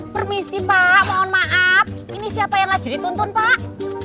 permisi pak mohon maaf ini siapa yang lagi dituntun pak